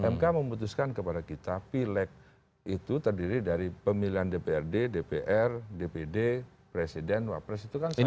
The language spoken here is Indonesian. mk memutuskan kepada kita pilek itu terdiri dari pemilihan dprd dpr dpd presiden wapres itu kan sama